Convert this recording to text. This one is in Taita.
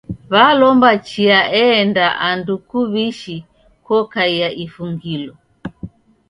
W'alomba chia eenda andu kuw'ishi kokaia ifungulo.